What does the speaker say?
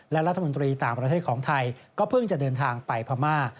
และรัฐมนตรีต่างประเทศของไทยก็เพิ่งจะเดินทางไปพม่า